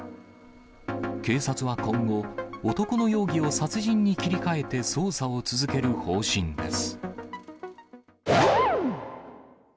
警察は今後、男の容疑を殺人に切り替えて捜査を続ける方針です。